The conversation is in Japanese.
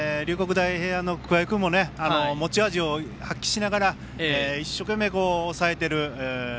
大平安の桑江君も持ち味を発揮しながら一生懸命抑えている。